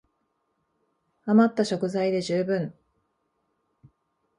あまった食材で充分